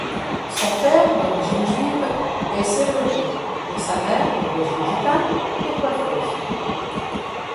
Son père, d'origine juive, est serrurier et sa mère, d'origine gitane, est coiffeuse.